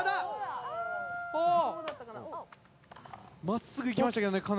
真っすぐ行きましたけどね。